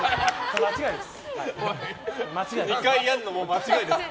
間違いです。